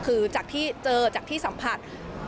คือจากที่เจอจากที่สัมผัส